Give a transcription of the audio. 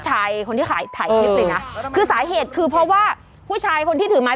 ชายคนที่ขายถ่ายทูนี่นะปูชายคนที่ถึงไมว